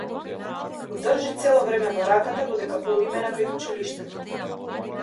Го држи цело време во раката додека одиме накај училиштето.